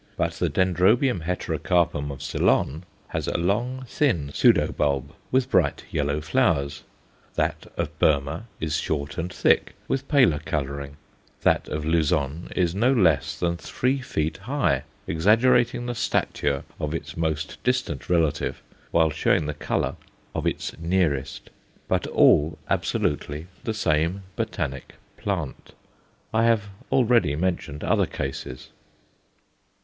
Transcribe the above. But the D. heterocarpum of Ceylon has a long, thin pseudo bulb, with bright yellow flowers; that of Burmah is short and thick, with paler colouring; that of Luzon is no less than three feet high, exaggerating the stature of its most distant relative while showing the colour of its nearest; but all, absolutely, the same botanic plant. I have already mentioned other cases.